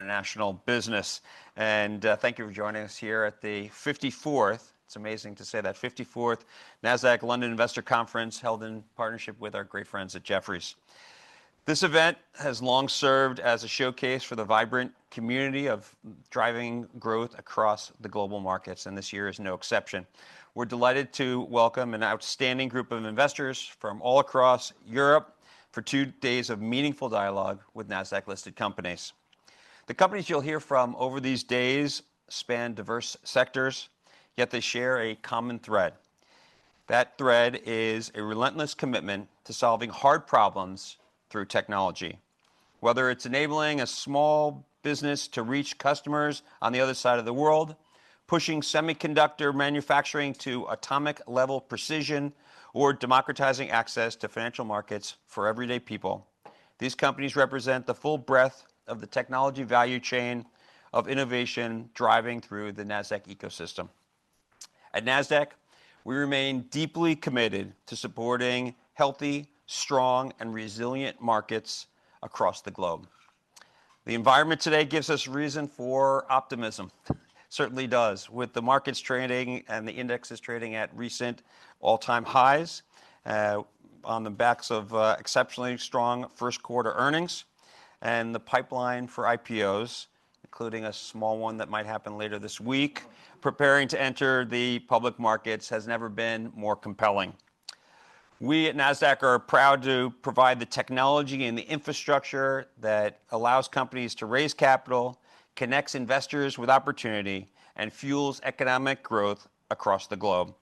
Thank you for joining us here at the 54th, it's amazing to say that, 54th Nasdaq London Investor Conference, held in partnership with our great friends at Jefferies. This event has long served as a showcase for the vibrant community of driving growth across the global markets, and this year is no exception. We're delighted to welcome an outstanding group of investors from all across Europe for two days of meaningful dialogue with Nasdaq-listed companies. The companies you'll hear from over these days span diverse sectors, yet they share a common thread. That thread is a relentless commitment to solving hard problems through technology. Whether it's enabling a small business to reach customers on the other side of the world, pushing semiconductor manufacturing to atomic level precision, or democratizing access to financial markets for everyday people, these companies represent the full breadth of the technology value chain of innovation driving through the Nasdaq ecosystem. At Nasdaq, we remain deeply committed to supporting healthy, strong, and resilient markets across the globe. The environment today gives us reason for optimism. It certainly does. With the markets trading and the indexes trading at recent all-time highs, on the backs of exceptionally strong first quarter earnings, and the pipeline for IPOs, including a small one that might happen later this week, preparing to enter the public markets has never been more compelling. We at Nasdaq are proud to provide the technology and the infrastructure that allows companies to raise capital, connects investors with opportunity, and fuels economic growth across the globe.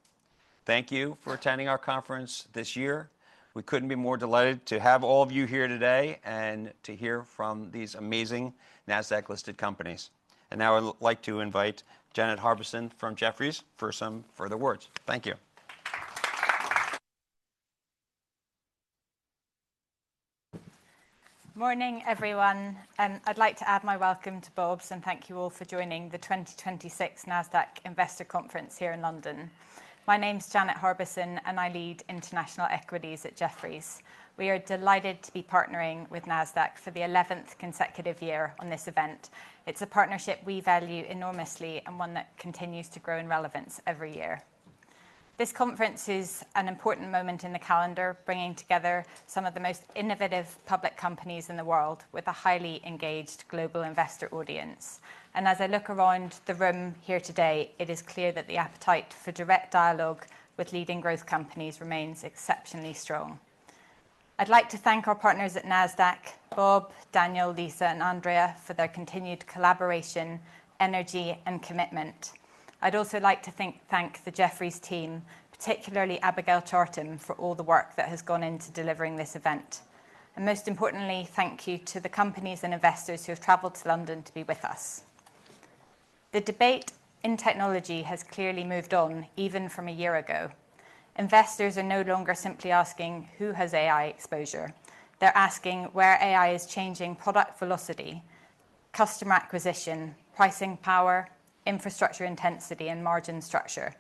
Thank you for attending our conference this year. We couldn't be more delighted to have all of you here today, and to hear from these amazing Nasdaq-listed companies. Now I'd like to invite Janet Harbison from Jefferies for some further words. Thank you. Morning, everyone, I'd like to add my welcome to Bob's, and thank you all for joining the 2026 Nasdaq Investor Conference here in London. My name's Janet Harbison, and I lead international equities at Jefferies. We are delighted to be partnering with Nasdaq for the 11th consecutive year on this event. It's a partnership we value enormously, and one that continues to grow in relevance every year. This conference is an important moment in the calendar, bringing together some of the most innovative public companies in the world with a highly engaged global investor audience. As I look around the room here today, it is clear that the appetite for direct dialogue with leading growth companies remains exceptionally strong. I'd like to thank our partners at Nasdaq, Bob, Daniel, Lisa, and Andrea, for their continued collaboration, energy, and commitment. I'd also like to thank the Jefferies team, particularly Abigail Charkham, for all the work that has gone into delivering this event. Most importantly, thank you to the companies and investors who have traveled to London to be with us. The debate in technology has clearly moved on, even from a year ago. Investors are no longer simply asking who has AI exposure. They're asking where AI is changing product velocity, customer acquisition, pricing power, infrastructure intensity, and margin structure.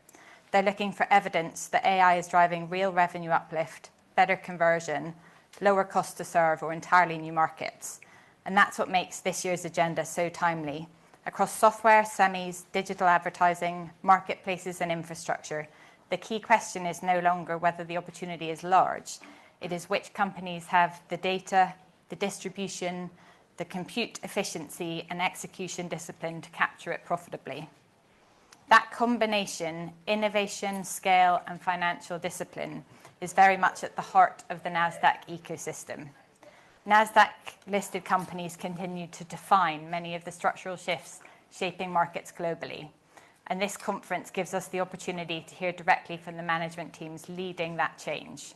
They're looking for evidence that AI is driving real revenue uplift, better conversion, lower cost to serve, or entirely new markets. That's what makes this year's agenda so timely. Across software, semis, digital advertising, marketplaces, and infrastructure, the key question is no longer whether the opportunity is large. It is which companies have the data, the distribution, the compute efficiency, and execution discipline to capture it profitably. That combination, innovation, scale, and financial discipline, is very much at the heart of the Nasdaq ecosystem. Nasdaq-listed companies continue to define many of the structural shifts shaping markets globally. This conference gives us the opportunity to hear directly from the management teams leading that change.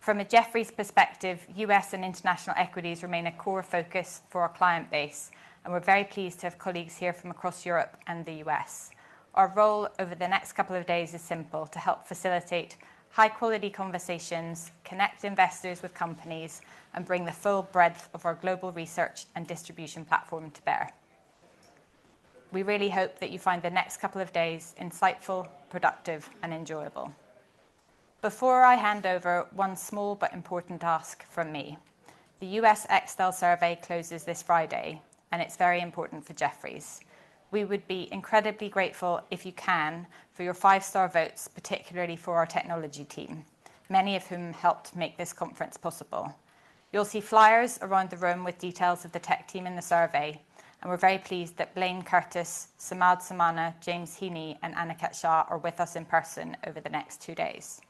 From a Jefferies perspective, U.S. and international equities remain a core focus for our client base. We're very pleased to have colleagues here from across Europe and the U.S. Our role over the next couple of days is simple, to help facilitate high-quality conversations, connect investors with companies, and bring the full breadth of our global research and distribution platform to bear. We really hope that you find the next couple of days insightful, productive, and enjoyable. Before I hand over, one small but important ask from me. The U.S. Extel Survey closes this Friday. It's very important for Jefferies. We would be incredibly grateful, if you can, for your five-star votes, particularly for our technology team, many of whom helped make this conference possible. You'll see flyers around the room with details of the tech team in the survey. We're very pleased that Blaine Curtis, Samad Samana, James Heaney, and Aniket Shah are with us in person over the next two days.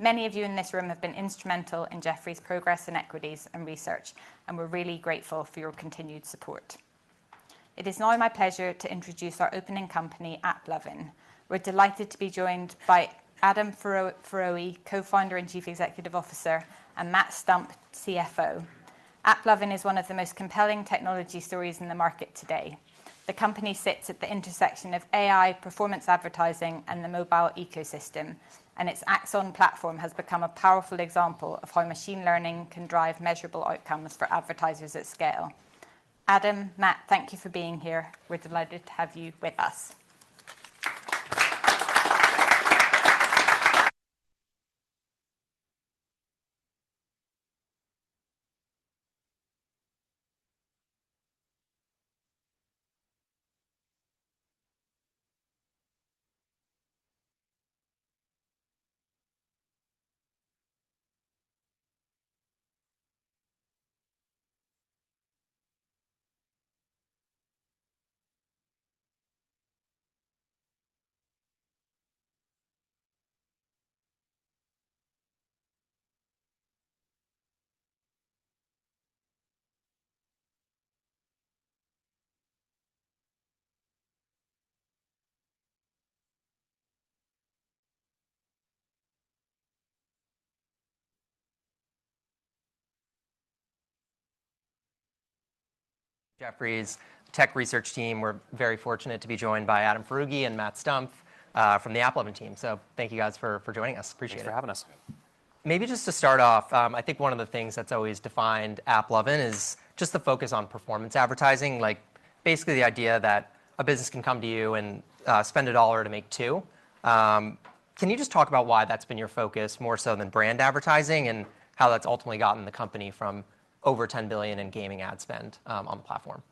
Many of you in this room have been instrumental in Jefferies' progress in equities and research. We're really grateful for your continued support. It is now my pleasure to introduce our opening company, AppLovin. We're delighted to be joined by Adam Foroughi, Co-Founder and Chief Executive Officer, and Matt Stumpf, CFO. AppLovin is one of the most compelling technology stories in the market today. The company sits at the intersection of AI, performance advertising, and the mobile ecosystem. Its Axon platform has become a powerful example of how machine learning can drive measurable outcomes for advertisers at scale. Adam, Matt, thank you for being here. We're delighted to have you with us. Jefferies tech research team. We're very fortunate to be joined by Adam Foroughi and Matt Stumpf from the AppLovin team. Thank you guys for joining us. Appreciate it. Thanks for having us. Maybe just to start off, I think one of the things that's always defined AppLovin is just the focus on performance advertising. Basically, the idea that a business can come to you and spend $1 to make $2. Can you just talk about why that's been your focus more so than brand advertising, and how that's ultimately gotten the company from over $10 billion in gaming ad spend on the platform?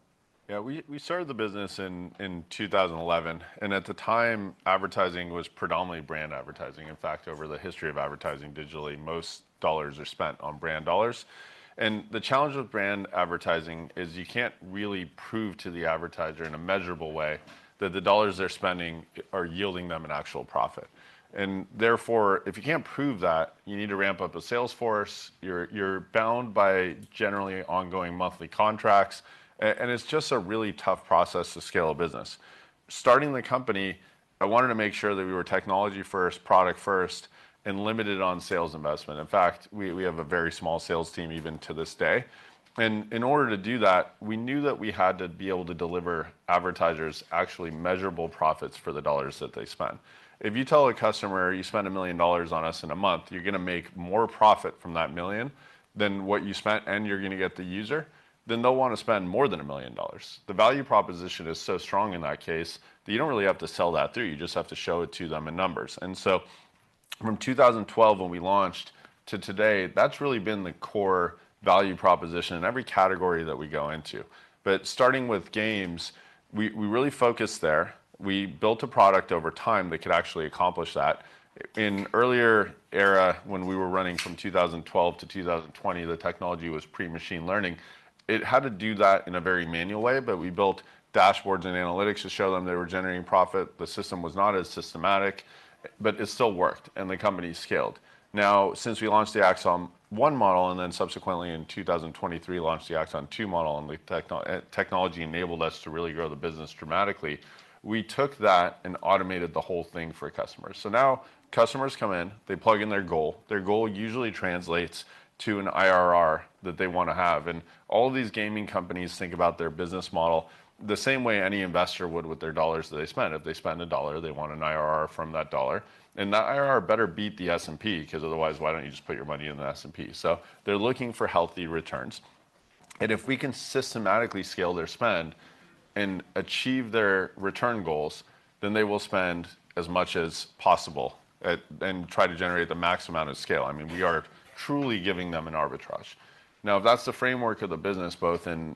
Yeah. We started the business in 2011, at the time, advertising was predominantly brand advertising. In fact, over the history of advertising digitally, most dollars are spent on brand dollars. The challenge with brand advertising is you can't really prove to the advertiser in a measurable way that the dollars they're spending are yielding them an actual profit. Therefore, if you can't prove that, you need to ramp up a sales force, you're bound by generally ongoing monthly contracts, and it's just a really tough process to scale a business. Starting the company, I wanted to make sure that we were technology first, product first, and limited on sales investment. In fact, we have a very small sales team even to this day. In order to do that, we knew that we had to be able to deliver advertisers actually measurable profits for the dollars that they spend. If you tell a customer, "You spend $1 million on us in a month, you're going to make more profit from that million than what you spent, and you're going to get the user," then they'll want to spend more than $1 million. The value proposition is so strong in that case that you don't really have to sell that, though. You just have to show it to them in numbers. From 2012, when we launched, to today, that's really been the core value proposition in every category that we go into. Starting with games, we really focused there. We built a product over time that could actually accomplish that. In earlier era, when we were running from 2012-2020, the technology was pre-Machine Learning. It had to do that in a very manual way, but we built dashboards and analytics to show them they were generating profit. The system was not as systematic, but it still worked, and the company scaled. Now, since we launched the Axon 1 model and then subsequently in 2023, launched the Axon 2.0 model, the technology enabled us to really grow the business dramatically. We took that and automated the whole thing for customers. Now customers come in, they plug in their goal. Their goal usually translates to an IRR that they want to have. All of these gaming companies think about their business model the same way any investor would with their dollars that they spend. If they spend $1, they want an IRR from that dollar. That IRR better beat the S&P because otherwise, why don't you just put your money in the S&P? They're looking for healthy returns. If we can systematically scale their spend and achieve their return goals, then they will spend as much as possible and try to generate the max amount of scale. We are truly giving them an arbitrage. If that's the framework of the business, both in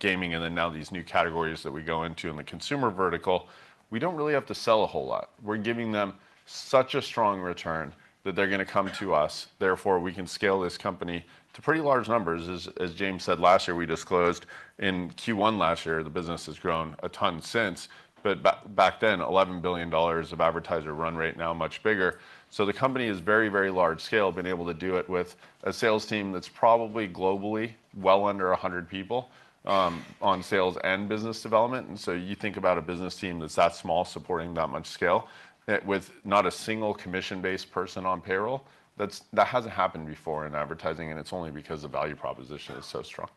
gaming and in now these new categories that we go into in the consumer vertical, we don't really have to sell a whole lot. We're giving them such a strong return that they're going to come to us. Therefore, we can scale this company to pretty large numbers. As James said last year, we disclosed in Q1 last year, the business has grown a ton since. Back then, $11 billion of advertiser run right now, much bigger. The company is very large scale, been able to do it with a sales team that's probably globally well under 100 people on sales and business development. You think about a business team that's that small supporting that much scale, with not a single commission-based person on payroll. That hasn't happened before in advertising, and it's only because the value proposition is so strong.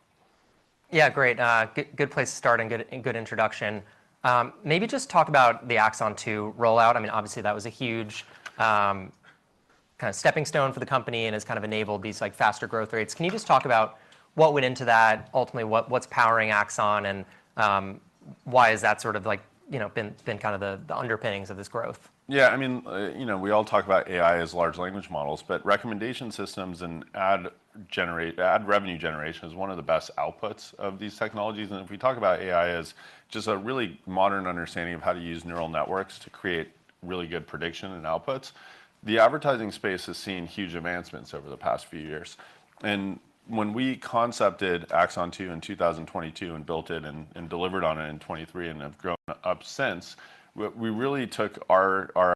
Yeah, great. Good place to start and good introduction. Maybe just talk about the Axon 2.0 rollout. Obviously, that was a huge steppingstone for the company and has enabled these faster growth rates. Can you just talk about what went into that, ultimately, what's powering Axon, and why has that been the underpinnings of this growth? Yeah. We all talk about AI as large language models, but recommendation systems and ad revenue generation is one of the best outputs of these technologies. If we talk about AI as just a really modern understanding of how to use neural networks to create really good prediction and outputs, the advertising space has seen huge advancements over the past few years. When we concepted Axon 2.0 in 2022 and built it and delivered on it in 2023, and have grown up since, we really took our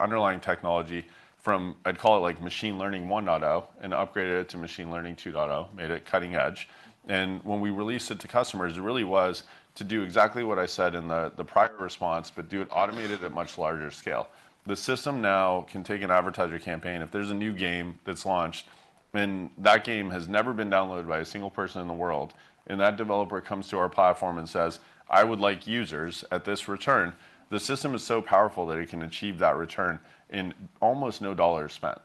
underlying technology from, I'd call it Machine Learning 1.0 and upgraded it to Machine Learning 2.0, made it cutting edge. When we released it to customers, it really was to do exactly what I said in the prior response, but do it automated at much larger scale. The system now can take an advertiser campaign, if there's a new game that's launched and that game has never been downloaded by a single person in the world, and that developer comes to our platform and says, "I would like users at this return," the system is so powerful that it can achieve that return in almost no dollars spent.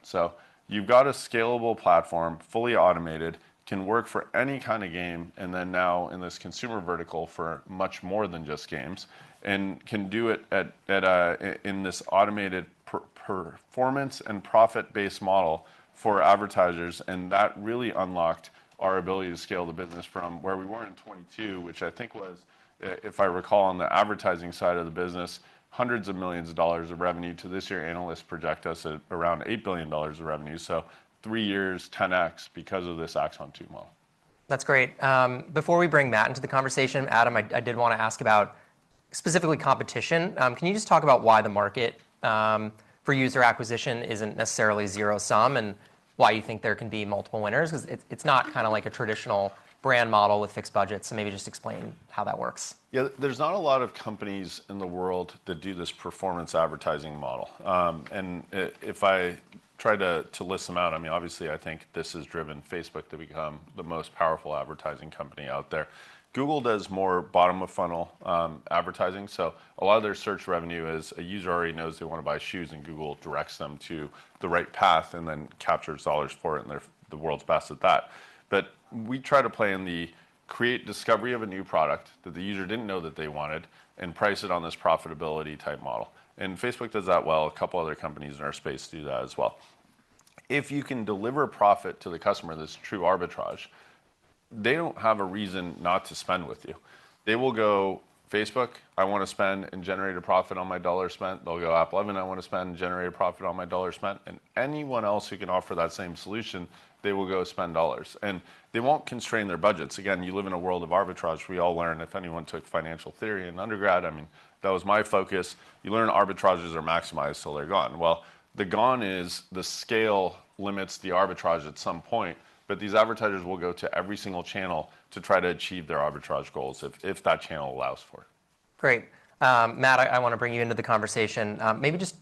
You've got a scalable platform, fully automated, can work for any kind of game, and then now in this consumer vertical for much more than just games, and can do it in this automated performance and profit-based model for advertisers. That really unlocked our ability to scale the business from where we were in 2022, which I think was, if I recall, on the advertising side of the business, hundreds of millions of dollars of revenue to this year, analysts project us at around $8 billion of revenue. Three years, 10x because of this Axon 2.0 model. That's great. Before we bring Matt into the conversation, Adam, I did want to ask about specifically competition. Can you just talk about why the market for user acquisition isn't necessarily zero sum, and why you think there can be multiple winners? Because it's not kind of like a traditional brand model with fixed budgets. Maybe just explain how that works. Yeah. There's not a lot of companies in the world that do this performance advertising model. If I try to list them out, obviously I think this has driven Facebook to become the most powerful advertising company out there. Google does more bottom-of-funnel advertising, so a lot of their search revenue is a user already knows they want to buy shoes, and Google directs them to the right path, and then captures dollars for it, and they're the world's best at that. We try to play in the create discovery of a new product that the user didn't know that they wanted and price it on this profitability type model. Facebook does that well. A couple other companies in our space do that as well. If you can deliver profit to the customer that's true arbitrage, they don't have a reason not to spend with you. They will go, "Facebook, I want to spend and generate a profit on my dollar spent." They'll go, "AppLovin, I want to spend and generate a profit on my dollar spent." Anyone else who can offer that same solution, they will go spend dollars. They won't constrain their budgets. Again, you live in a world of arbitrage. We all learn if anyone took financial theory in undergrad, that was my focus. You learn arbitrages are maximized till they're gone. Well, the gone is the scale limits the arbitrage at some point, but these advertisers will go to every single channel to try to achieve their arbitrage goals if that channel allows for it. Great. Matt, I want to bring you into the conversation. Maybe just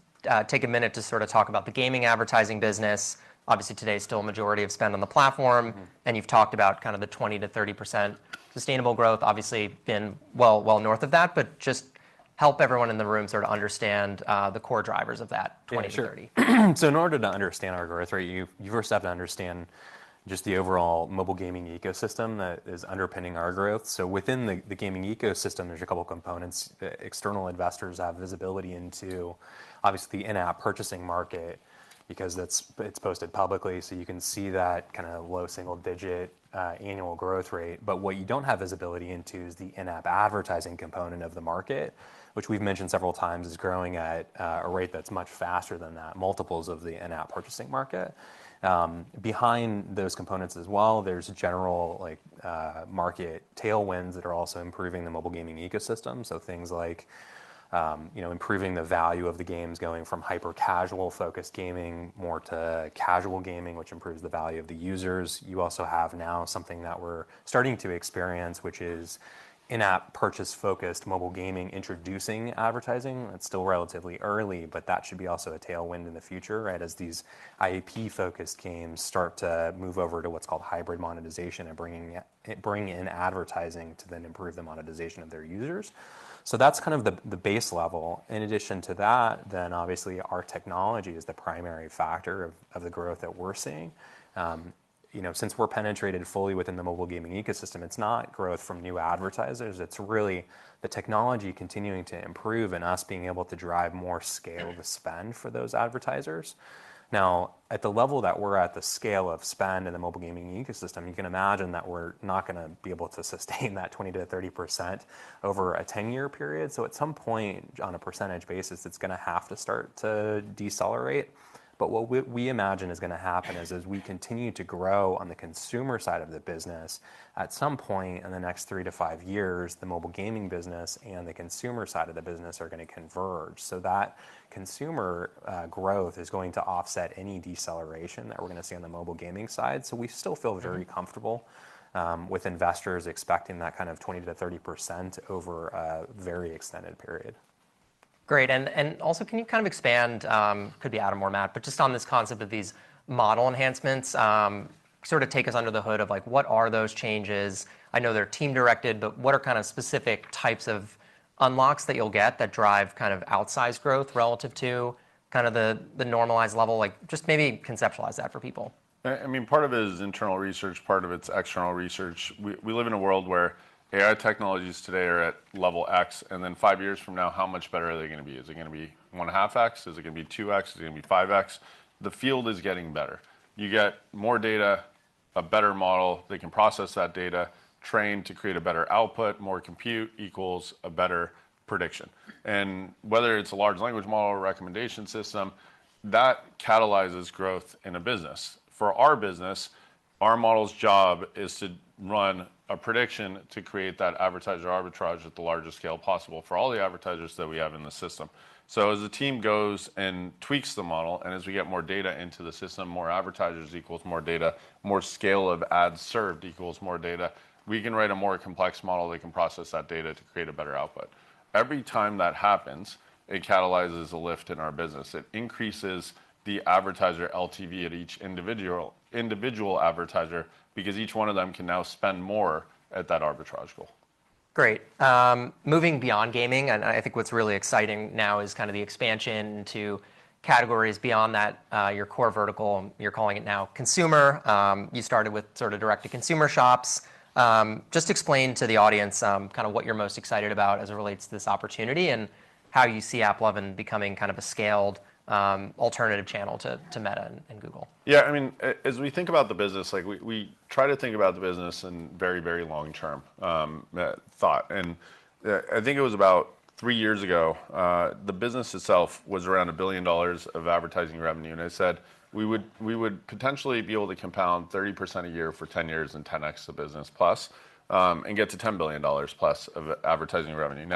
take a minute to sort of talk about the gaming advertising business. Obviously, today, still a majority of spend on the platform. You've talked about kind of the 20%-30% sustainable growth, obviously been well north of that, but just help everyone in the room sort of understand the core drivers of that 20%-30%. Yeah, sure. In order to understand our growth rate, you first have to understand just the overall mobile gaming ecosystem that is underpinning our growth. Within the gaming ecosystem, there's a couple components. External investors have visibility into, obviously, the in-app purchasing market because it's posted publicly, so you can see that kind of low single-digit annual growth rate. What you don't have visibility into is the in-app advertising component of the market, which we've mentioned several times is growing at a rate that's much faster than that, multiples of the in-app purchasing market. Behind those components as well, there's general market tailwinds that are also improving the mobile gaming ecosystem. Things like improving the value of the games, going from hyper-casual focused gaming more to casual gaming, which improves the value of the users. You also have now something that we're starting to experience, which is in-app purchase focused mobile gaming introducing advertising. It's still relatively early, but that should be also a tailwind in the future, right, as these IAP focused games start to move over to what's called hybrid monetization and bring in advertising to then improve the monetization of their users. That's kind of the base level. In addition to that, obviously our technology is the primary factor of the growth that we're seeing. Since we're penetrated fully within the mobile gaming ecosystem, it's not growth from new advertisers, it's really the technology continuing to improve and us being able to drive more scale to spend for those advertisers. Now, at the level that we're at, the scale of spend in the mobile gaming ecosystem, you can imagine that we're not going to be able to sustain that 20%-30% over a 10-year period. At some point, on a percentage basis, it's going to have to start to decelerate. What we imagine is going to happen is, as we continue to grow on the consumer side of the business, at some point in the next three to five years, the mobile gaming business and the consumer side of the business are going to converge. That consumer growth is going to offset any deceleration that we're going to see on the mobile gaming side. We still feel very comfortable with investors expecting that kind of 20%-30% over a very extended period. Can you kind of expand, could be Adam or Matt, but just on this concept of these model enhancements, sort of take us under the hood of what are those changes? I know they're team directed, but what are kind of specific types of unlocks that you'll get that drive kind of outsized growth relative to the normalized level? Just maybe conceptualize that for people. Part of it is internal research, part of it's external research. We live in a world where AI technologies today are at level X, then five years from now, how much better are they going to be? Is it going to be one half X? Is it going to be two X? Is it going to be five X? The field is getting better. You get more data, a better model that can process that data, trained to create a better output, more compute equals a better prediction. Whether it's a large language model or recommendation system, that catalyzes growth in a business. For our business, our model's job is to run a prediction to create that advertiser arbitrage at the largest scale possible for all the advertisers that we have in the system. As the team goes and tweaks the model, as we get more data into the system, more advertisers equals more data, more scale of ads served equals more data, we can write a more complex model that can process that data to create a better output. Every time that happens, it catalyzes a lift in our business. It increases the advertiser LTV at each individual advertiser because each one of them can now spend more at that arbitrage goal. Moving beyond gaming, I think what's really exciting now is the expansion to categories beyond that, your core vertical, you're calling it now consumer. You started with sort of direct-to-consumer shops. Just explain to the audience kind of what you're most excited about as it relates to this opportunity and how you see AppLovin becoming kind of a scaled alternative channel to Meta and Google. As we think about the business, we try to think about the business in very, very long-term thought. I think it was about three years ago, the business itself was around $1 billion of advertising revenue. I said we would potentially be able to compound 30% a year for 10 years and 10x the business plus, and get to $10 billion plus of advertising revenue.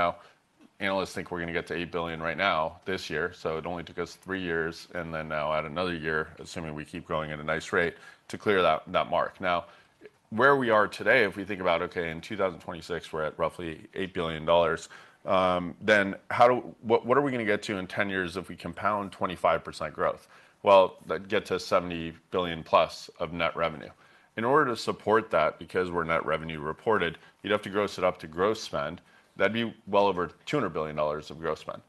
Analysts think we're going to get to $8 billion right now, this year, so it only took us three years and now add another year, assuming we keep growing at a nice rate to clear that mark. Where we are today, if we think about, okay, in 2026 we're at roughly $8 billion, what are we going to get to in 10 years if we compound 25% growth? That'd get to $70 billion plus of net revenue. In order to support that, because we're net revenue reported, you'd have to gross it up to gross spend, that'd be well over $200 billion of gross spend.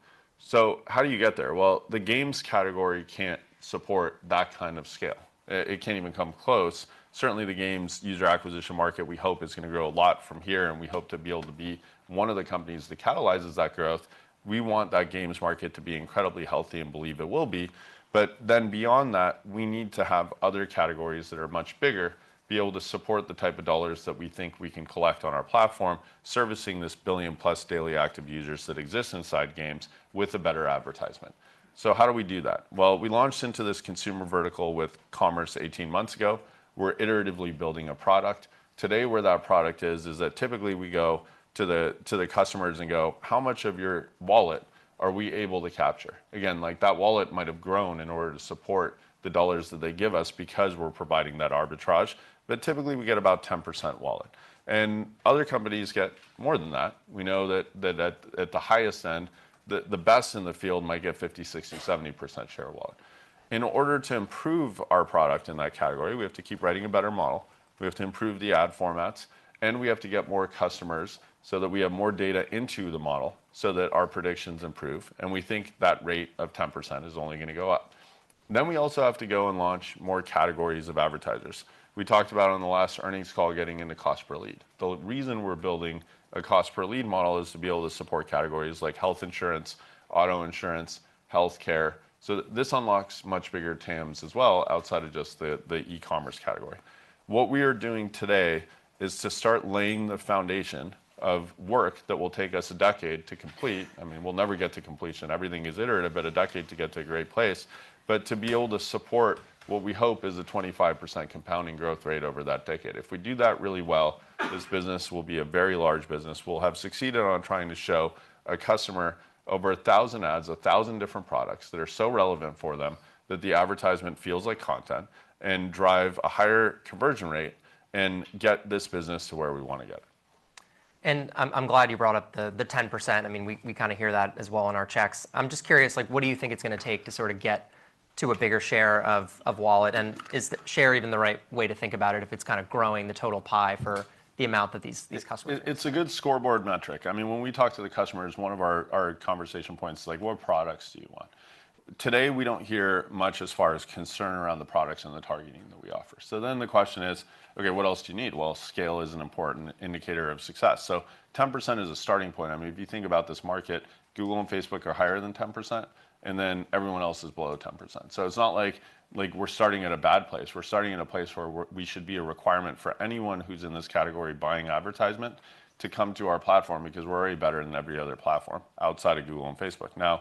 How do you get there? The games category can't support that kind of scale. It can't even come close. Certainly the games user acquisition market we hope is going to grow a lot from here, and we hope to be able to be one of the companies that catalyzes that growth. We want that games market to be incredibly healthy and believe it will be, beyond that, we need to have other categories that are much bigger be able to support the type of dollars that we think we can collect on our platform servicing this billion-plus daily active users that exist inside games with a better advertisement. How do we do that? We launched into this consumer vertical with commerce 18 months ago. We're iteratively building a product. Today where that product is that typically we go to the customers and go, "How much of your wallet are we able to capture?" Again, that wallet might have grown in order to support the dollars that they give us because we're providing that arbitrage, but typically we get about 10% wallet. Other companies get more than that. We know that at the highest end, the best in the field might get 50%, 60%, 70% share of wallet. In order to improve our product in that category, we have to keep writing a better model, we have to improve the ad formats, and we have to get more customers so that we have more data into the model so that our predictions improve. We think that rate of 10% is only going to go up. We also have to go and launch more categories of advertisers. We talked about on the last earnings call getting into cost per lead. The reason we're building a cost per lead model is to be able to support categories like health insurance, auto insurance, healthcare. This unlocks much bigger TAMs as well outside of just the e-commerce category. What we are doing today is to start laying the foundation of work that will take us a decade to complete. We'll never get to completion, everything is iterative, but a decade to get to a great place. To be able to support what we hope is a 25% compounding growth rate over that decade. If we do that really well, this business will be a very large business. We'll have succeeded on trying to show a customer over 1,000 ads, 1,000 different products that are so relevant for them that the advertisement feels like content and drive a higher conversion rate and get this business to where we want to get. I'm glad you brought up the 10%. We kind of hear that as well in our checks. I'm just curious, what do you think it's going to take to sort of get to a bigger share of wallet? Is share even the right way to think about it if it's kind of growing the total pie for the amount that these customers- It's a good scoreboard metric. When we talk to the customers, one of our conversation points is like, "What products do you want?" Today we don't hear much as far as concern around the products and the targeting that we offer. The question is, okay, what else do you need? Well, scale is an important indicator of success. 10% is a starting point. If you think about this market, Google and Facebook are higher than 10%, everyone else is below 10%. It's not like we're starting at a bad place. We're starting in a place where we should be a requirement for anyone who's in this category buying advertisement to come to our platform because we're already better than every other platform outside of Google and Facebook.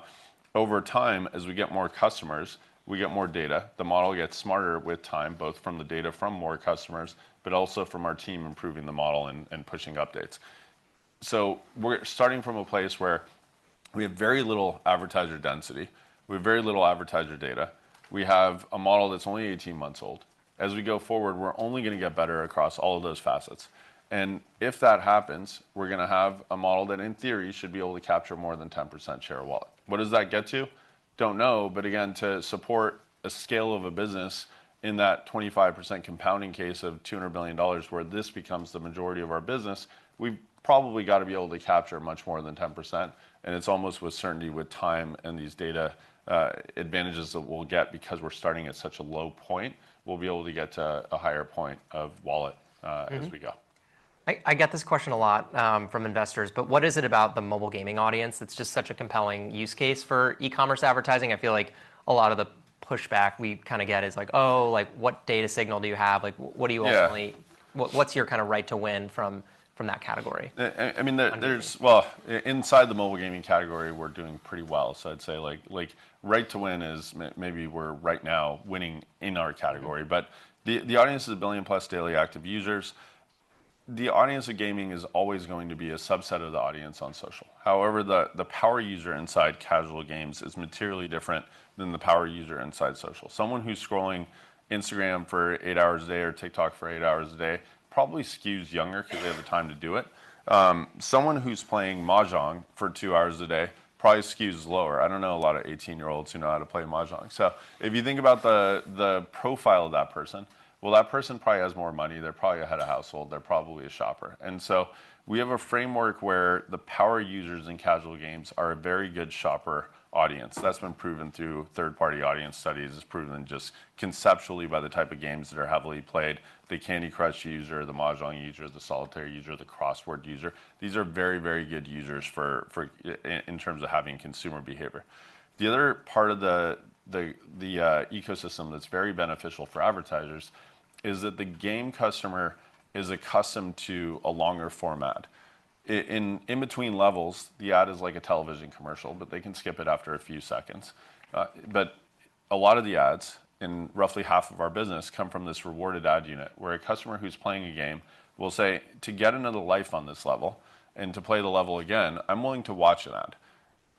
Over time, as we get more customers, we get more data. The model gets smarter with time, both from the data from more customers, but also from our team improving the model and pushing updates. We're starting from a place where we have very little advertiser density, we have very little advertiser data. We have a model that's only 18 months old. We go forward, we're only going to get better across all of those facets. If that happens, we're going to have a model that in theory should be able to capture more than 10% share of wallet. What does that get to? Don't know, but again, to support a scale of a business in that 25% compounding case of $200 billion where this becomes the majority of our business, we've probably got to be able to capture much more than 10%. It's almost with certainty with time and these data advantages that we'll get because we're starting at such a low point, we'll be able to get to a higher point of wallet as we go. I get this question a lot from investors, what is it about the mobile gaming audience that's just such a compelling use case for e-commerce advertising? I feel like a lot of the pushback we kind of get is like, oh, what data signal do you have? What's your kind of right to win from that category? Well, inside the mobile gaming category we're doing pretty well. I'd say right to win is maybe we're right now winning in our category. The audience is a 1 billion-plus daily active users. The audience of gaming is always going to be a subset of the audience on social. However, the power user inside casual games is materially different than the power user inside social. Someone who's scrolling Instagram for eight hours a day or TikTok for eight hours a day probably skews younger because they have the time to do it. Someone who's playing Mahjong for two hours a day probably skews lower. I don't know a lot of 18-year-olds who know how to play Mahjong. If you think about the profile of that person, well, that person probably has more money. They're probably a head of household. They're probably a shopper. We have a framework where the power users in casual games are a very good shopper audience. That's been proven through third-party audience studies. It's proven just conceptually by the type of games that are heavily played. The Candy Crush user, the Mahjong user, the Solitaire user, the crossword user, these are very good users in terms of having consumer behavior. The other part of the ecosystem that's very beneficial for advertisers is that the game customer is accustomed to a longer format. In between levels, the ad is like a television commercial, but they can skip it after a few seconds. A lot of the ads in roughly half of our business come from this rewarded ad unit, where a customer who's playing a game will say, "To get another life on this level and to play the level again, I'm willing to watch an ad."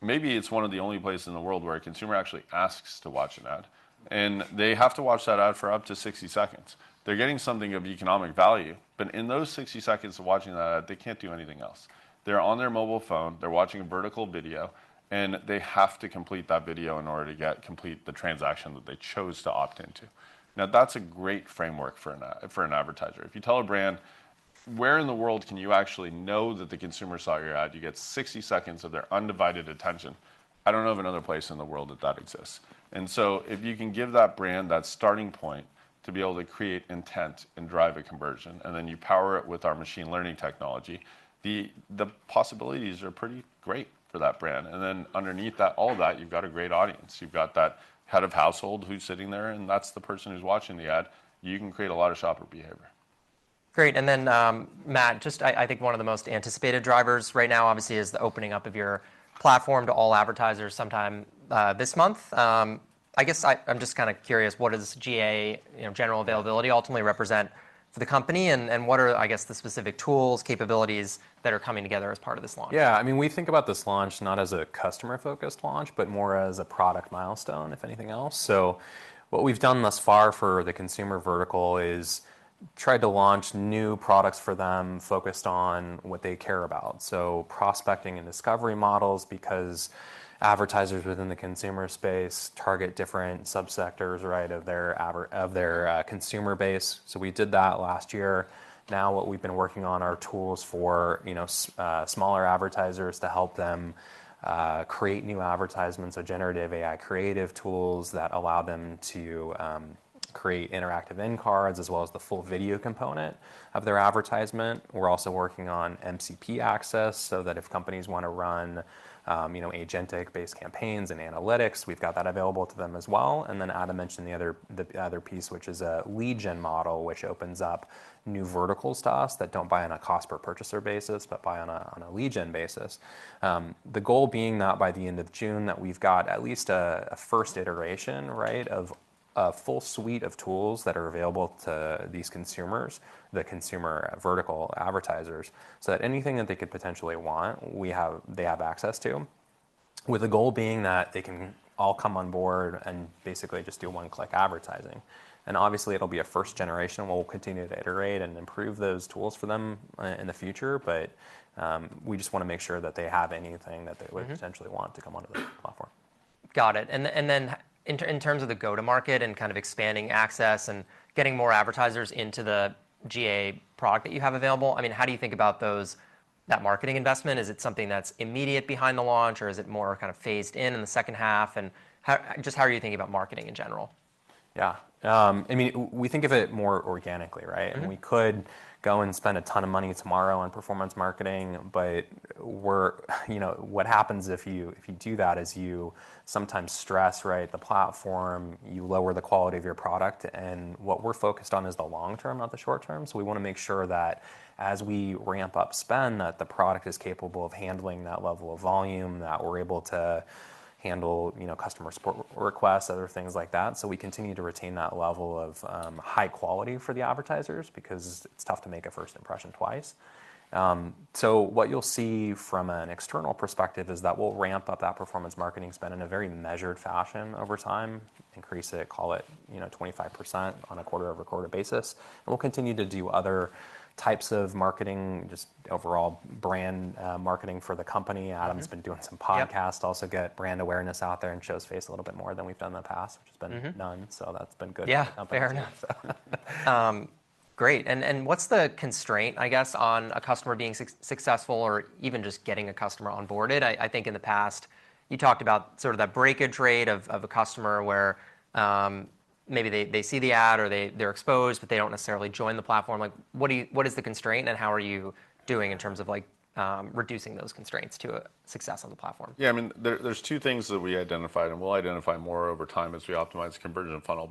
Maybe it's one of the only places in the world where a consumer actually asks to watch an ad, and they have to watch that ad for up to 60 seconds. They're getting something of economic value, but in those 60 seconds of watching that ad, they can't do anything else. They're on their mobile phone, they're watching a vertical video, and they have to complete that video in order to complete the transaction that they chose to opt into. That's a great framework for an advertiser. If you tell a brand, where in the world can you actually know that the consumer saw your ad, you get 60 seconds of their undivided attention. I don't know of another place in the world that that exists. If you can give that brand that starting point to be able to create intent and drive a conversion, then you power it with our machine learning technology, the possibilities are pretty great for that brand. Underneath all that, you've got a great audience. You've got that head of household who's sitting there, and that's the person who's watching the ad. You can create a lot of shopper behavior. Great. Then, Matt, just I think one of the most anticipated drivers right now, obviously, is the opening up of your platform to all advertisers sometime this month. I guess I'm just curious, what does GA, general availability, ultimately represent for the company, and what are, I guess, the specific tools, capabilities that are coming together as part of this launch? Yeah. We think about this launch not as a customer-focused launch, but more as a product milestone, if anything else. What we've done thus far for the consumer vertical is tried to launch new products for them focused on what they care about. Prospecting and discovery models, because advertisers within the consumer space target different sub-sectors of their consumer base. We did that last year. What we've been working on are tools for smaller advertisers to help them create new advertisements or generative AI creative tools that allow them to create interactive end cards, as well as the full video component of their advertisement. We're also working on MCP access, so that if companies want to run agentic-based campaigns and analytics, we've got that available to them as well. Adam mentioned the other piece, which is a lead gen model, which opens up new verticals to us that don't buy on a cost-per-purchaser basis, but buy on a lead gen basis. The goal being that by the end of June, that we've got at least a first iteration of a full suite of tools that are available to these consumers, the consumer vertical advertisers, so that anything that they could potentially want, they have access to, with the goal being that they can all come on board and basically just do one-click advertising. Obviously, it'll be a first generation. We'll continue to iterate and improve those tools for them in the future. We just want to make sure that they have anything that they would potentially want to come onto the platform. Got it. In terms of the go-to-market and kind of expanding access and getting more advertisers into the GA product that you have available, how do you think about that marketing investment? Is it something that's immediate behind the launch, or is it more kind of phased in in the second half? Just how are you thinking about marketing in general? Yeah. We think of it more organically. We could go and spend a ton of money tomorrow on performance marketing, what happens if you do that is you sometimes stress the platform, you lower the quality of your product. What we're focused on is the long-term, not the short-term. We want to make sure that as we ramp up spend, that the product is capable of handling that level of volume, that we're able to handle customer support requests, other things like that. We continue to retain that level of high quality for the advertisers because it's tough to make a first impression twice. What you'll see from an external perspective is that we'll ramp up that performance marketing spend in a very measured fashion over time, increase it, call it 25% on a quarter-over-quarter basis. We'll continue to do other types of marketing, just overall brand marketing for the company. Adam's been doing some podcasts. Yep. Get brand awareness out there and shows face a little bit more than we've done in the past, which has been none. That's been good for the company. Fair enough. Great. What's the constraint, I guess, on a customer being successful or even just getting a customer onboarded? I think in the past you talked about sort of that breakage rate of a customer where maybe they see the ad or they're exposed, but they don't necessarily join the platform. What is the constraint, and how are you doing in terms of reducing those constraints to success on the platform? There's two things that we identified, we'll identify more over time as we optimize the conversion funnel.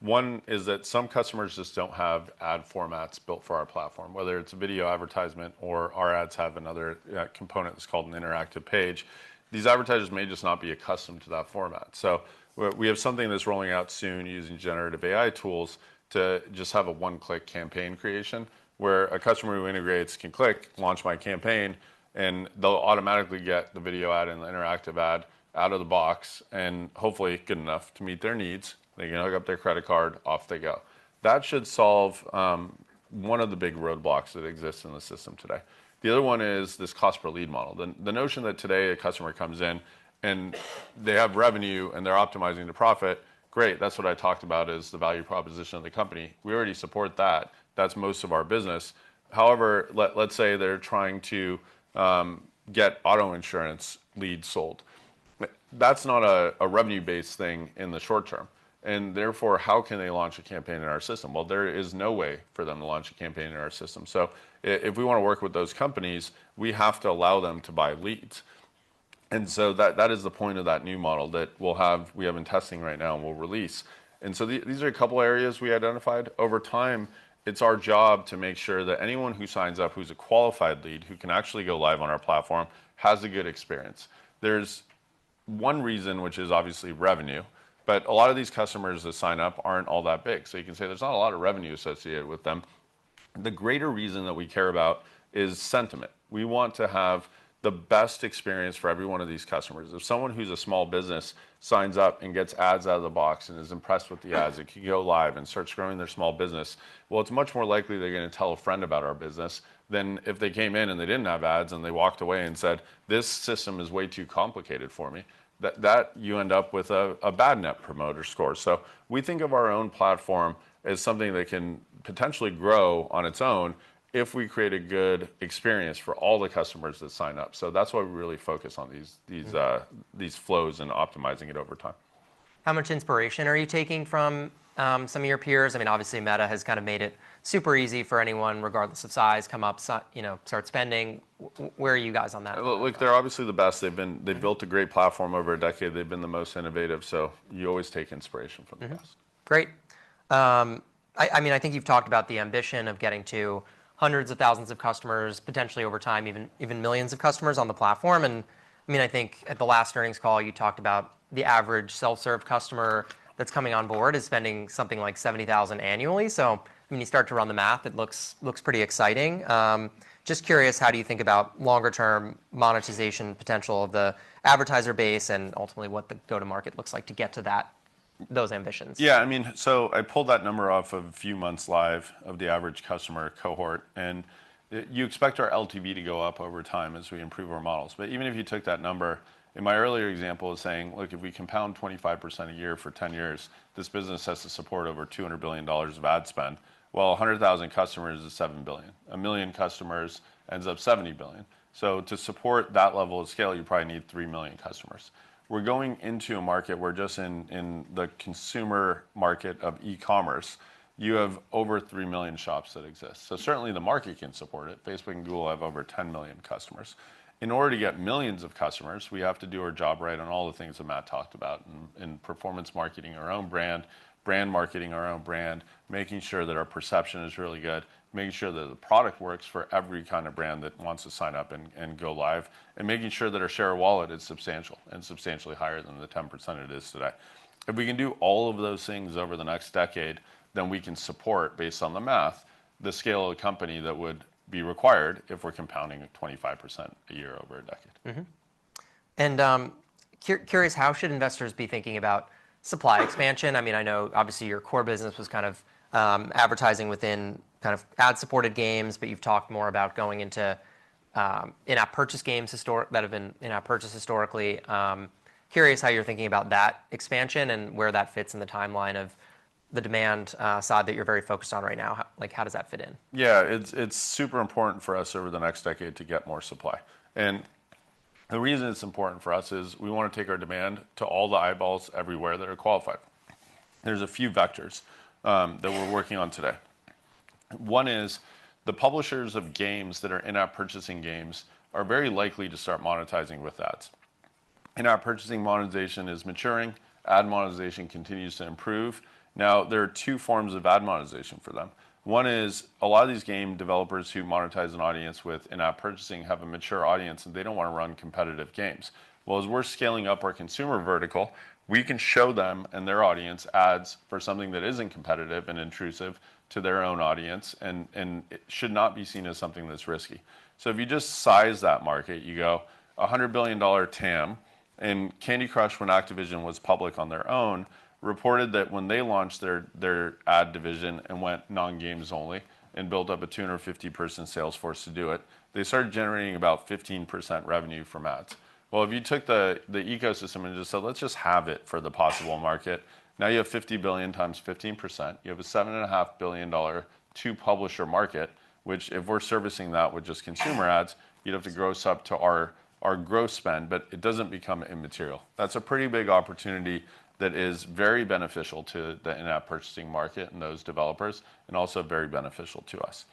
One is that some customers just don't have ad formats built for our platform, whether it's video advertisement or our ads have another component that's called an interactive page. These advertisers may just not be accustomed to that format. We have something that's rolling out soon using generative AI tools to just have a one-click campaign creation where a customer who integrates can click Launch My Campaign, and they'll automatically get the video ad and the interactive ad out of the box and hopefully good enough to meet their needs. They can hook up their credit card, off they go. That should solve one of the big roadblocks that exists in the system today. The other one is this cost per lead model. The notion that today a customer comes in and they have revenue, and they're optimizing the profit, great. That's what I talked about is the value proposition of the company. We already support that. That's most of our business. Let's say they're trying to get auto insurance leads sold. That's not a revenue-based thing in the short-term, and therefore, how can they launch a campaign in our system? Well, there is no way for them to launch a campaign in our system. If we want to work with those companies, we have to allow them to buy leads. That is the point of that new model that we have in testing right now and we'll release. These are a couple areas we identified. Over time, it's our job to make sure that anyone who signs up who's a qualified lead who can actually go live on our platform, has a good experience. There's one reason, which is obviously revenue, but a lot of these customers that sign up aren't all that big. You can say there's not a lot of revenue associated with them. The greater reason that we care about is sentiment. We want to have the best experience for every one of these customers. If someone who's a small business signs up and gets ads out of the box and is impressed with the ads and can go live and starts growing their small business, well, it's much more likely they're going to tell a friend about our business than if they came in and they didn't have ads, and they walked away and said, "This system is way too complicated for me." That you end up with a bad Net Promoter Score. We think of our own platform as something that can potentially grow on its own if we create a good experience for all the customers that sign up. That's why we really focus on these- flows and optimizing it over time. How much inspiration are you taking from some of your peers? Obviously Meta has made it super easy for anyone, regardless of size, come up, start spending. Where are you guys on that front? Look, they're obviously the best. They've built a great platform over a decade. They've been the most innovative. You always take inspiration from the best. Mm-hmm. Great. I think you've talked about the ambition of getting to hundreds of thousands of customers, potentially over time, even millions of customers on the platform. I think at the last earnings call, you talked about the average self-serve customer that's coming on board is spending something like $70,000 annually. When you start to run the math, it looks pretty exciting. Just curious, how do you think about longer-term monetization potential of the advertiser base and ultimately what the go-to-market looks like to get to those ambitions? Yeah. I pulled that number off a few months live of the average customer cohort, you expect our LTV to go up over time as we improve our models. Even if you took that number, in my earlier example of saying, look, if we compound 25% a year for 10 years, this business has to support over $200 billion of ad spend. Well, 100,000 customers is $7 billion. A million customers ends up $70 billion. To support that level of scale, you probably need 3 million customers. We're going into a market where just in the consumer market of e-commerce, you have over 3 million shops that exist. Certainly the market can support it. Facebook and Google have over 10 million customers. In order to get millions of customers, we have to do our job right on all the things that Matt talked about in performance marketing our own brand marketing our own brand, making sure that our perception is really good, making sure that the product works for every kind of brand that wants to sign up and go live, and making sure that our share of wallet is substantial and substantially higher than the 10% it is today. If we can do all of those things over the next decade, we can support, based on the math, the scale of the company that would be required if we're compounding at 25% a year over a decade. Curious, how should investors be thinking about supply expansion? I know obviously your core business was kind of advertising within ad-supported games, but you've talked more about going into in-app purchase games that have been in-app purchase historically. Curious how you're thinking about that expansion and where that fits in the timeline of the demand side that you're very focused on right now. How does that fit in? It's super important for us over the next decade to get more supply. The reason it's important for us is we want to take our demand to all the eyeballs everywhere that are qualified. There's a few vectors that we're working on today. One is the publishers of games that are in-app purchasing games are very likely to start monetizing with ads. In-app purchasing monetization is maturing. Ad monetization continues to improve. There are two forms of ad monetization for them. One is a lot of these game developers who monetize an audience with in-app purchasing have a mature audience, and they don't want to run competitive games. Well, as we're scaling up our consumer vertical, we can show them and their audience ads for something that isn't competitive and intrusive to their own audience and should not be seen as something that's risky. If you just size that market, you go $100 billion TAM, Candy Crush, when Activision was public on their own, reported that when they launched their ad division and went non-games only and built up a 250-person sales force to do it, they started generating about 15% revenue from ads. Well, if you took the ecosystem and just said, let's just have it for the possible market, now you have 50 billion times 15%. You have a $7.5 billion two-publisher market, which if we're servicing that with just consumer ads, you'd have to gross up to our gross spend, but it doesn't become immaterial. That's a pretty big opportunity that is very beneficial to the in-app purchasing market and those developers, also very beneficial to us.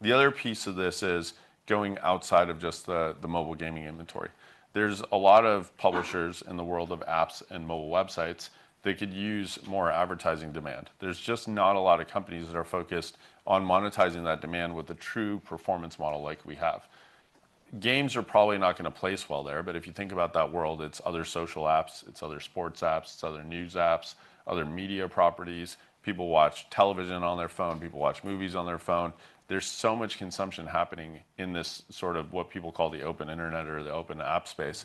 The other piece of this is going outside of just the mobile gaming inventory. There's a lot of publishers in the world of apps and mobile websites that could use more advertising demand. There's just not a lot of companies that are focused on monetizing that demand with a true performance model like we have. Games are probably not going to place well there, but if you think about that world, it's other social apps, it's other sports apps, it's other news apps, other media properties. People watch television on their phone. People watch movies on their phone. There's so much consumption happening in this sort of what people call the open internet or the open app space.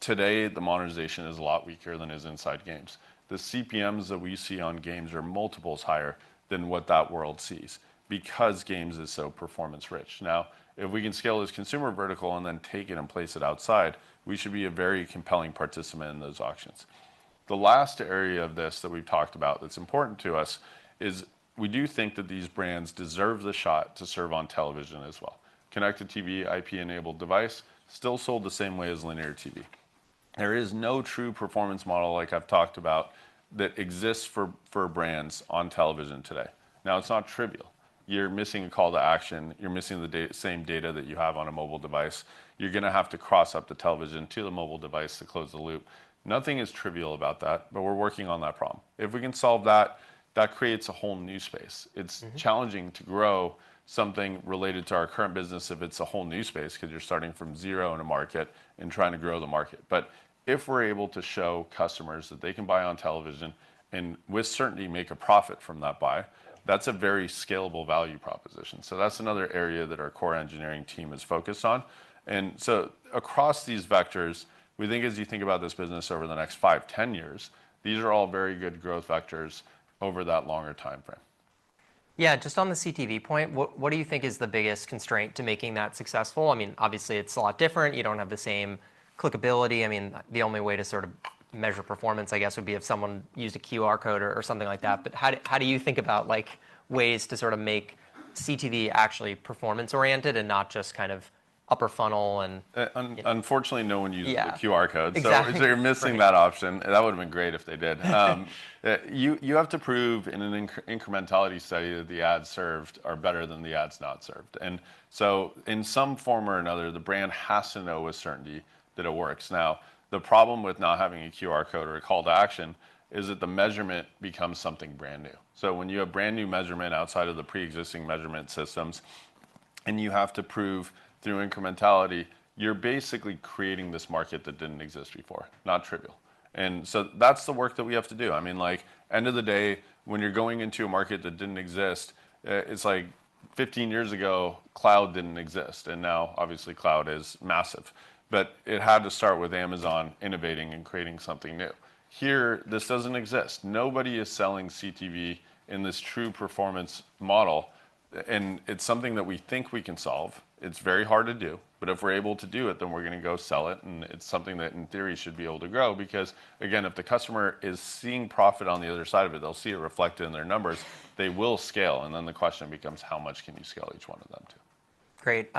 Today, the monetization is a lot weaker than is inside games. The CPMs that we see on games are multiples higher than what that world sees because games is so performance rich. If we can scale this consumer vertical and then take it and place it outside, we should be a very compelling participant in those auctions. The last area of this that we've talked about that's important to us is we do think that these brands deserve the shot to serve on television as well. Connected TV IP-enabled device, still sold the same way as linear TV. There is no true performance model like I've talked about that exists for brands on television today. It's not trivial. You're missing a call to action. You're missing the same data that you have on a mobile device. You're going to have to cross up the television to the mobile device to close the loop. Nothing is trivial about that, but we're working on that problem. If we can solve that creates a whole new space. It's challenging to grow something related to our current business if it's a whole new space because you're starting from zero in a market and trying to grow the market. If we're able to show customers that they can buy on television, and with certainty make a profit from that buy- Yeah That's a very scalable value proposition. That's another area that our core engineering team is focused on. Across these vectors, we think as you think about this business over the next five, 10 years, these are all very good growth vectors over that longer timeframe. Yeah. Just on the CTV point, what do you think is the biggest constraint to making that successful? Obviously, it's a lot different. You don't have the same clickability. The only way to sort of measure performance, I guess, would be if someone used a QR code or something like that. How do you think about ways to sort of make CTV actually performance-oriented and not just kind of upper funnel and- Unfortunately, no one uses- Yeah the QR codes. Exactly. You're missing that option. That would've been great if they did. You have to prove in an incrementality study that the ads served are better than the ads not served. In some form or another, the brand has to know with certainty that it works. Now, the problem with not having a QR code or a call to action is that the measurement becomes something brand new. When you have brand new measurement outside of the preexisting measurement systems, and you have to prove through incrementality, you're basically creating this market that didn't exist before. Not trivial. That's the work that we have to do. End of the day, when you're going into a market that didn't exist, it's like 15 years ago cloud didn't exist, and now obviously cloud is massive. It had to start with Amazon innovating and creating something new. Here, this doesn't exist. Nobody is selling CTV in this true performance model. It's something that we think we can solve. It's very hard to do. If we're able to do it, we're going to go sell it. It's something that in theory should be able to grow because, again, if the customer is seeing profit on the other side of it, they'll see it reflected in their numbers. They will scale. Then the question becomes how much can you scale each one of them to. Great.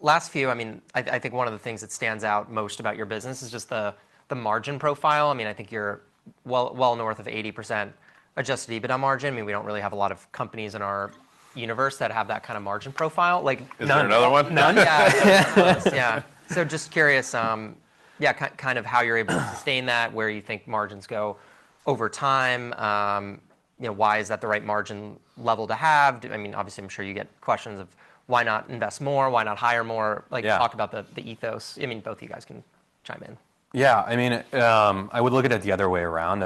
Last few, I think one of the things that stands out most about your business is just the margin profile. I think you're well north of 80% adjusted EBITDA margin. We don't really have a lot of companies in our universe that have that kind of margin profile. Like none. Is there another one? None. Yeah. Yeah. Just curious, yeah, kind of how you're able to sustain that, where you think margins go over time. Why is that the right margin level to have? Obviously, I'm sure you get questions of why not invest more, why not hire more. Yeah. Talk about the ethos. Both you guys can chime in. Yeah. I would look at it the other way around.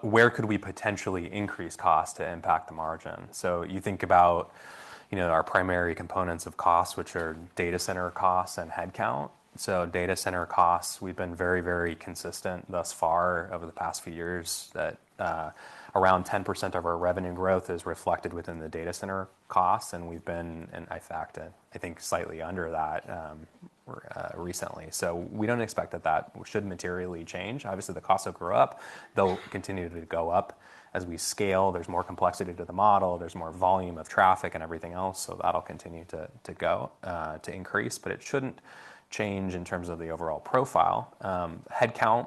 Where could we potentially increase cost to impact the margin? You think about our primary components of cost, which are data center costs and headcount. Data center costs, we've been very consistent thus far over the past few years that around 10% of our revenue growth is reflected within the data center costs, and we've been in fact I think slightly under that recently. We don't expect that that should materially change. Obviously, the costs will go up. They'll continue to go up as we scale. There's more complexity to the model. There's more volume of traffic and everything else, so that'll continue to increase. It shouldn't change in terms of the overall profile. Headcount,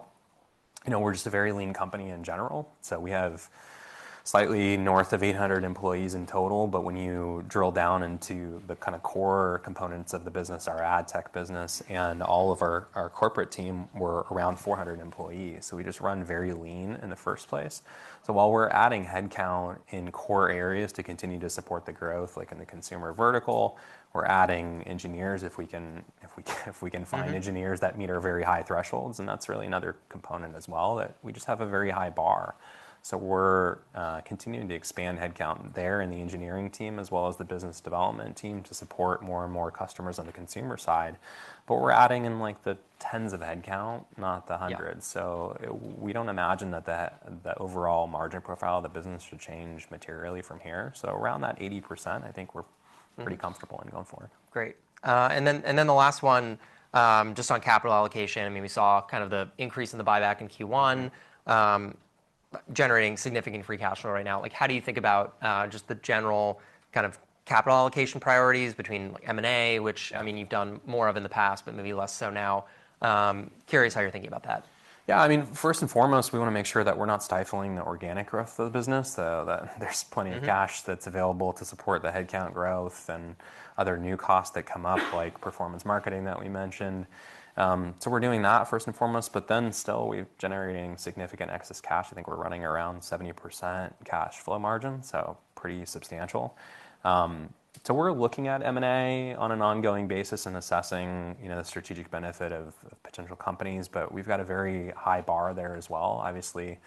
we're just a very lean company in general, so we have slightly north of 800 employees in total. When you drill down into the kind of core components of the business, our ad tech business and all of our corporate team, we're around 400 employees. We just run very lean in the first place. While we're adding headcount in core areas to continue to support the growth, like in the consumer vertical, we're adding engineers if we can find engineers. that meet our very high thresholds, and that's really another component as well that we just have a very high bar. We're continuing to expand headcount there in the engineering team, as well as the business development team to support more and more customers on the consumer side. We're adding in like the tens of headcount, not the hundreds. Yeah. We don't imagine that the overall margin profile of the business should change materially from here. Around that 80%, I think we're pretty comfortable in going forward. Great. Then the last one, just on capital allocation. We saw kind of the increase in the buyback in Q1. generating significant free cash flow right now. How do you think about just the general kind of capital allocation priorities between M&A, which you've done more of in the past, but maybe less so now. Curious how you're thinking about that. Yeah. First and foremost, we want to make sure that we're not stifling the organic growth of the business, so that there's plenty of cash that's available to support the headcount growth and other new costs that come up, like performance marketing that we mentioned. We're doing that first and foremost, still we're generating significant excess cash. I think we're running around 70% cash flow margin, pretty substantial. We're looking at M&A on an ongoing basis and assessing the strategic benefit of potential companies, we've got a very high bar there as well. Obviously,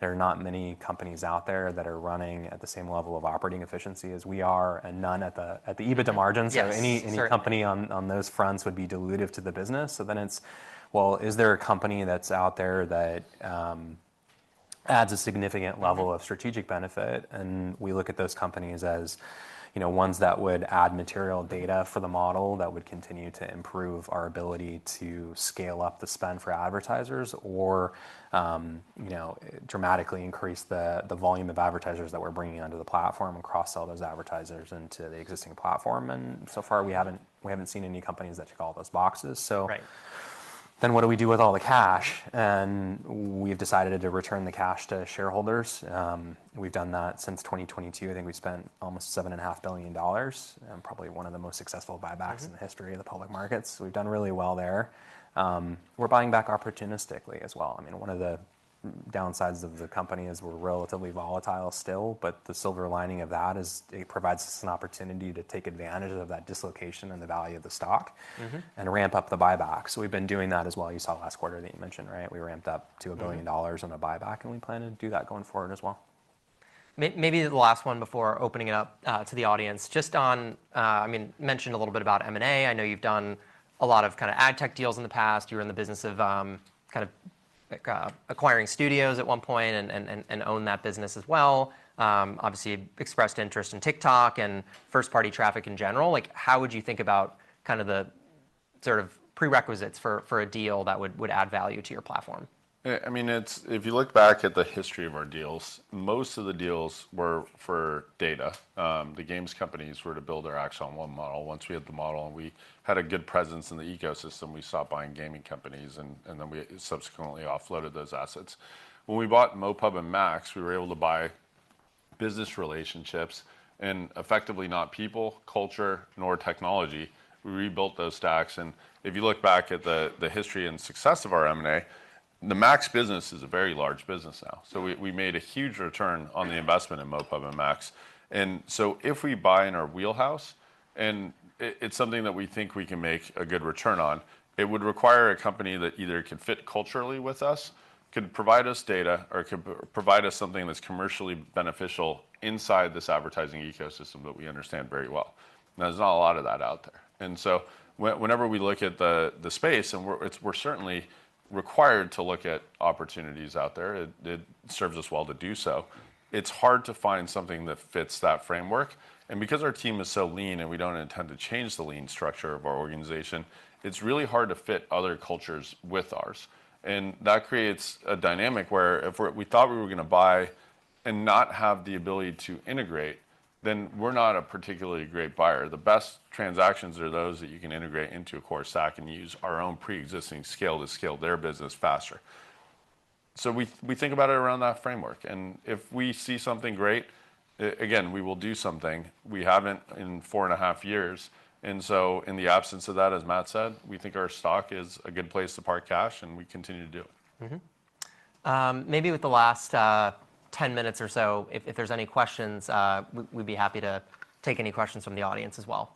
there are not many companies out there that are running at the same level of operating efficiency as we are, and none at the EBITDA margins. Yes. Certainly. Any company on those fronts would be dilutive to the business. It's, well, is there a company that's out there that adds a significant level of strategic benefit, we look at those companies as ones that would add material data for the model that would continue to improve our ability to scale up the spend for advertisers, or dramatically increase the volume of advertisers that we're bringing onto the platform and cross-sell those advertisers into the existing platform. So far, we haven't seen any companies that check all those boxes. Right. What do we do with all the cash? We've decided to return the cash to shareholders. We've done that since 2022. I think we've spent almost $7.5 billion, probably one of the most successful buybacks in the history of the public markets. We've done really well there. We're buying back opportunistically as well. One of the downsides of the company is we're relatively volatile still, but the silver lining of that is it provides us an opportunity to take advantage of that dislocation in the value of the stock- Ramp up the buyback. We've been doing that as well. You saw it last quarter that you mentioned, right? We ramped up to $1 billion on a buyback, we plan to do that going forward as well. Maybe the last one before opening it up to the audience. Mentioned a little bit about M&A. I know you've done a lot of ad tech deals in the past. You were in the business of acquiring studios at one point and own that business as well. Obviously expressed interest in TikTok and first-party traffic in general. How would you think about the prerequisites for a deal that would add value to your platform? If you look back at the history of our deals, most of the deals were for data. The games companies were to build our Axon one model. Once we had the model and we had a good presence in the ecosystem, we stopped buying gaming companies, we subsequently offloaded those assets. When we bought MoPub and MAX, we were able to buy business relationships and effectively not people, culture, nor technology. We rebuilt those stacks, if you look back at the history and success of our M&A, the MAX business is a very large business now. We made a huge return on the investment in MoPub and MAX. If we buy in our wheelhouse, it's something that we think we can make a good return on, it would require a company that either could fit culturally with us, could provide us data, or could provide us something that's commercially beneficial inside this advertising ecosystem that we understand very well. Now, there's not a lot of that out there. Whenever we look at the space, we're certainly required to look at opportunities out there, it serves us well to do so, it's hard to find something that fits that framework. Because our team is so lean and we don't intend to change the lean structure of our organization, it's really hard to fit other cultures with ours. That creates a dynamic where if we thought we were going to buy and not have the ability to integrate, then we're not a particularly great buyer. The best transactions are those that you can integrate into a core stack and use our own preexisting scale to scale their business faster. We think about it around that framework, if we see something great, again, we will do something. We haven't in 4.5 years, in the absence of that, as Matt said, we think our stock is a good place to park cash, we continue to do it. Maybe with the last 10 minutes or so, if there's any questions, we'd be happy to take any questions from the audience as well.